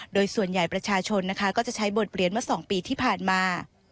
โดยส่วนใหญ่ประชาชนก็จะใช้บทเปลี่ยนมา๒ปีที่ผ่านมา